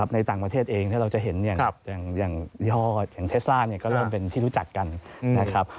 ในต่างประเทศเองถ้าเราจะเห็นอย่างยี่ห้ออย่างเทสล่าก็เริ่มเป็นที่รู้จักกันนะครับ